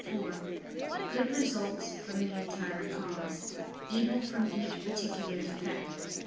iv), "good results from the entire cause, evil from each particular defect."